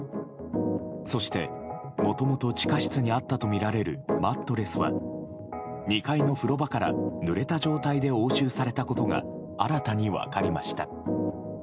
そして、もともと地下室にあったとみられるマットレスは２階の風呂場からぬれた状態で押収されたことが新たに分かりました。